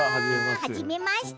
はじめまして。